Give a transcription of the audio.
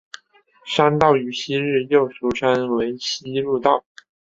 山道于昔日又俗称为希路道。